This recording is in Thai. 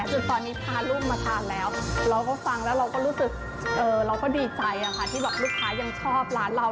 จนตอนนี้พาลูกมาทานแล้วเราก็ฟังแล้วเราก็รู้สึกเราก็ดีใจที่แบบลูกค้ายังชอบร้านเรา